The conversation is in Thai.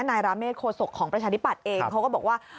นายราเมฆโคศกของประชาธิปัตย์เองเขาก็บอกว่า